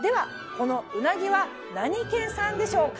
このうなぎは何県産でしょうか？